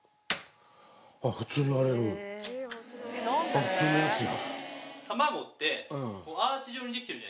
普通のやつや。